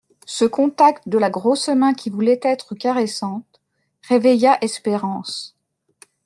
Ce contact de la grosse main qui voulait être caressante réveilla Espérance.